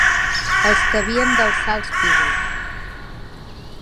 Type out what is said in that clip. Els que havien d'alçar els pisos